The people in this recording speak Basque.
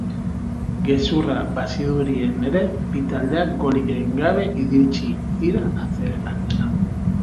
Gezurra bazirudien ere, bi taldeak golik egin gabe iritsi dira atsedenaldira.